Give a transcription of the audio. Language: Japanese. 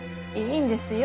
いいんですよ。